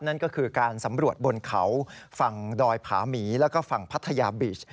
นั่นก็คือการสำรวจบนเขาฝั่งดอยผาหมีแล้วก็ฝั่งพัทยาบีช